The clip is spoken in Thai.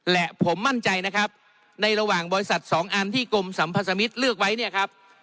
และผมมั่นใจนะครับในระหว่างบริษัทสองอันที่กรมสัมพสมิตรเลือกไว้เนี่ยครับ